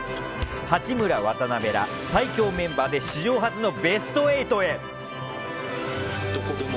八村、渡邉が採用メンバーで史上初のベスト８へ。